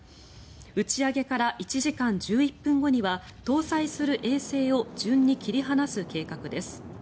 打ち上げから１時間１１分後には搭載する衛星を順に切り離す計画です。